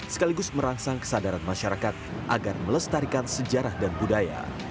sekaligus merangsang kesadaran masyarakat agar melestarikan sejarah dan budaya